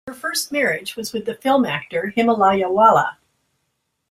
Her first marriage was with the film actor "Himalayawala".